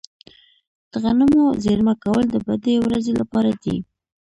د غنمو زیرمه کول د بدې ورځې لپاره دي.